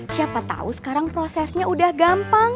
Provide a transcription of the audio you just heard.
siapa tahu sekarang prosesnya udah gampang